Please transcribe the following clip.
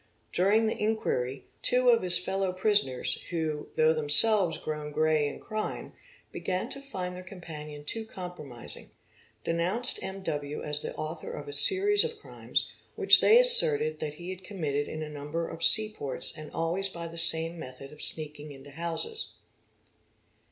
During the inquiry, two of his fellow prisoners, y ho, though themselves grown grey in crime, began to find their com panion too compromising, denounced M.W. as the author of a series of erimes, which they asserted that he had committed in a number of sea ports and always by the same method of sneaking into houses.